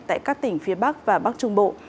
tại các tỉnh phía bắc và bắc trung bộ